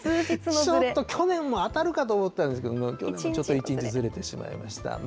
ちょっと去年も当たるかと思ったんですけれども、去年は１日ずれてしまいました。